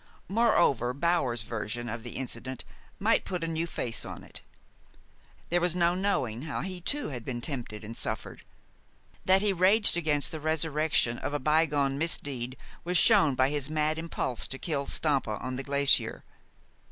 Moreover, Bower's version of the incident might put a new face on it. There was no knowing how he too had been tempted and suffered. That he raged against the resurrection of a bygone misdeed was shown by his mad impulse to kill Stampa on the glacier.